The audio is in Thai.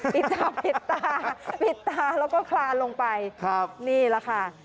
ปิดตาปิดตาปิดตาแล้วก็คลานลงไปครับนี่แหละค่ะ